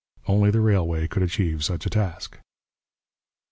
Only the railway could achieve such a task.